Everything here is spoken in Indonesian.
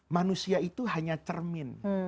manusia itu hanya cermin